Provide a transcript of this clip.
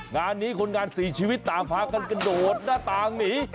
งานนี้คนงาน๔ชีวิตต่างพากันกระโดดหน้าต่างหนี